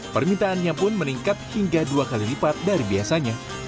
permintaannya pun meningkat hingga dua kali lipat dari biasanya